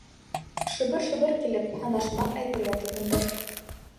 Шыбыр-шыбыр килеп һанашмаҡ әйтергә тотондо: